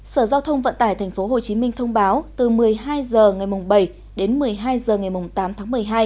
sở giao thông vận tải tp hcm thông báo từ một mươi hai h ngày bảy đến một mươi hai h ngày tám tháng một mươi hai